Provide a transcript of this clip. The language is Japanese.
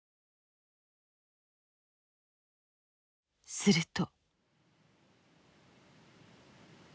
すると。